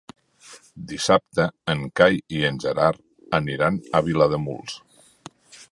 Dissabte en Cai i en Gerard aniran a Vilademuls.